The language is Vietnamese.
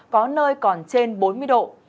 có nơi còn trên bốn mươi độ